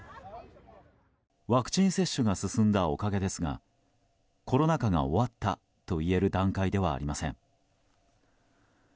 ワクチン接種が進んだおかげですがコロナ禍が終わったといえる段階ではありません。